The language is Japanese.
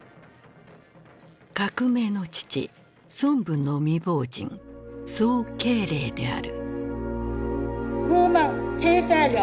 革命の父孫文の未亡人宋慶齢である。